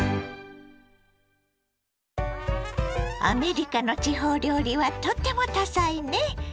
アメリカの地方料理はとっても多彩ね。